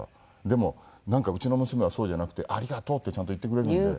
でもなんかうちの娘はそうじゃなくて「ありがとう」ってちゃんと言ってくれるので。